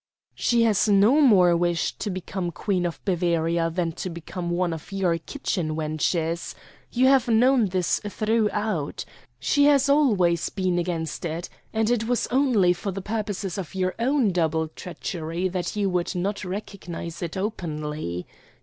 "She has no more wish to become Queen of Bavaria than to become one of your kitchen wenches. You have known this throughout. She has always been against it, and it was only for the purposes of your own double treachery that you would not recognize it openly.